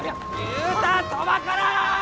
言うたそばから！